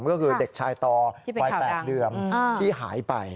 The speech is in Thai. ก็คือเด็กชายต่อวัย๘เดือนที่หายไป